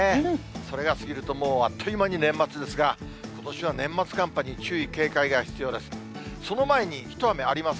それが過ぎるともうあっという間に年末ですが、ことしは年末寒波に注意、警戒が必要です。